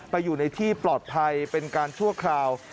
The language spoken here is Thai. อยู่ในที่ปลอดภัยเป็นการชั่วคราว